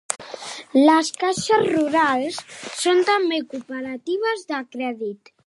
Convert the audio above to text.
Les caixes rurals són també cooperatives de crèdit.